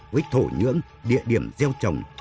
với thổ nhưỡng địa điểm gieo trồng